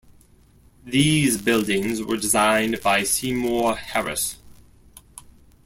These buildings were designed by Seymour Harris.